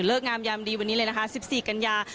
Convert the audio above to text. งามยามดีวันนี้เลยนะคะ๑๔กันยา